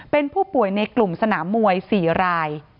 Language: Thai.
เป็นผู้ป่วยในกลุ่มสนามมวย๔ราย